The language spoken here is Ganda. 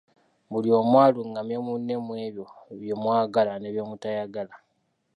Buli omu alungamye munne mu ebyo bye mwagala ne byemutayagala.